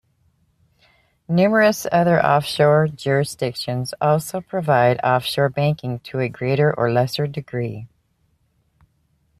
Numerous other offshore jurisdictions also provide offshore banking to a greater or lesser degree.